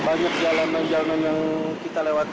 banyak jalan jalan yang kita lewatkan